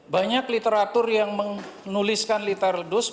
banyak literatur yang menuliskan lethal dose